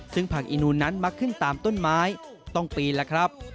ซึ่งผักอีนูนนั้นมักขึ้นตามต้นไม้ต้องปีนแล้วครับ